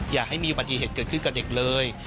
อย่าให้มีอุบัติเหตุเกิดขึ้นกับเด็กเลย